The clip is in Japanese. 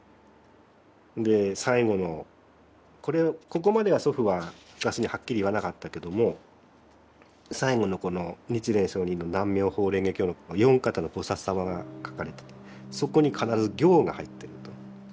で最後のこれここまでは祖父は私にはっきり言わなかったけども最後のこの日蓮上人の「南無妙法蓮華経」の四方の菩薩様が書かれててそこに必ず「行」が入ってると。